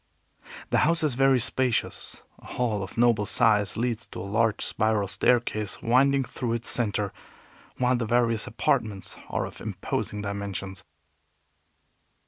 The house is very spacious. A hall of noble size leads to a large spiral staircase winding through its center, while the various apartments are of imposing dimensions.